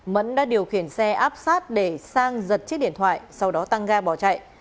mẫn đã điều khiển xe áp sát để sang giật chiếc điện thoại sau đó tăng ga bỏ chạy